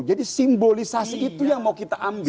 jadi simbolisasi itu yang mau kita ambil